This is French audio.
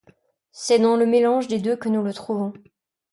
C’est dans le mélange des deux que nous le trouvons.